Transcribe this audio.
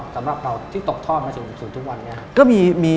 สำหรับเราที่ตกท่อนมาถึงสู่ทุกวันเนี่ย